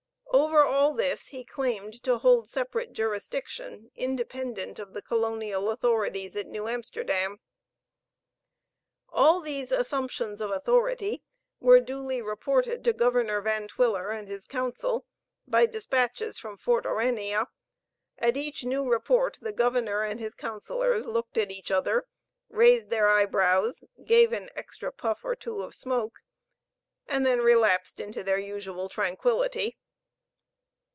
Over all this he claimed to hold separate jurisdiction independent of the colonial authorities at New Amsterdam. All these assumptions of authority were duly reported to Governor Van Twiller and his council, by dispatches from Fort Aurania, at each new report the governor and his counsellors looked at each other, raised their eyebrows, gave an extra puff or two of smoke, and then relapsed into their usually tranquillity.